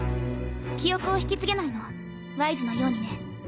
記憶を引き継げないのワイズのようにね。